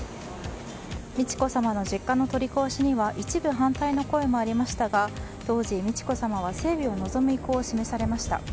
美智子さまの実家の取り壊しには一部反対の声もありましたが当時、美智子さまは整備を望む意向を示されました。